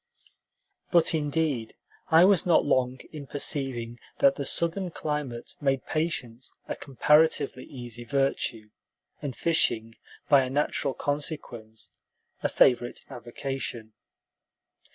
But indeed I was not long in perceiving that the Southern climate made patience a comparatively easy virtue, and fishing, by a natural consequence, a favorite avocation.